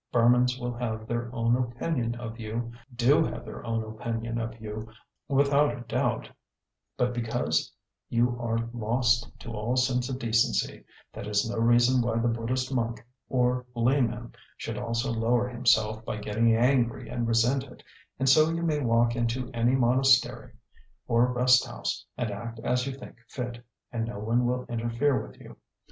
Burmans will have their own opinion of you, do have their own opinion of you, without a doubt; but because you are lost to all sense of decency, that is no reason why the Buddhist monk or layman should also lower himself by getting angry and resent it; and so you may walk into any monastery or rest house and act as you think fit, and no one will interfere with you.